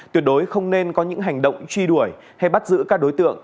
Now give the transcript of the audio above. tuyệt đối không nên có những hành động truy đuổi hay bắt giữ các đối tượng